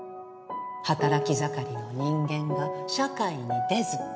働き盛りの人間が社会に出ず稼ぎもない。